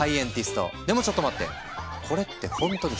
でもちょっと待って！